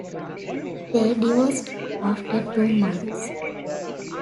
They divorced after two months.